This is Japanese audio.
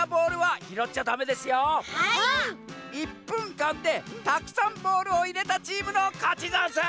１ぷんかんでたくさんボールをいれたチームのかちざんす！